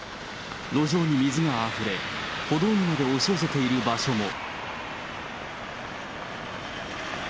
路上に水があふれ、歩道にまで押し寄せている場所も。